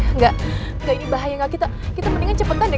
enggak enggak ini bahaya enggak kita mendingan cepetan deh